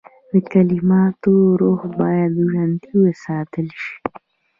د کلماتو روح باید ژوندی وساتل شي.